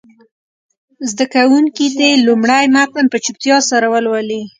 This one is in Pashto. زده کوونکي دې لومړی متن په چوپتیا سره ولولي.